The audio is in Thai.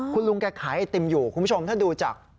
คุณลุงแกขายไอติมอยู่คุณผู้ชมถ้าดูจาก